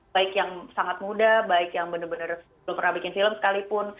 baik yang sangat muda baik yang benar benar belum pernah bikin film sekalipun